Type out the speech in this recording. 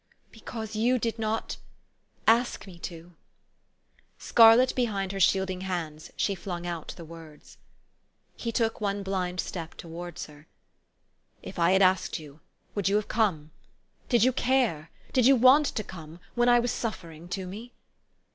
" Because you did not ask me to." Scarlet behind her shielding hands she flung out the words. He took one blind step towards her. 4 'If I had asked you would you have come? Did you care? Did you want to come when I was suffering to me